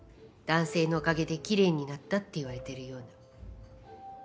男性のおかげで奇麗になったって言われてるような。